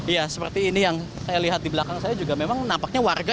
ya seperti ini yang saya lihat di belakang saya juga memang nampaknya warga